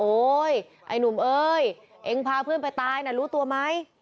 ไอ้หนุ่มเอ้ยเองพาเพื่อนไปตายน่ะรู้ตัวไหม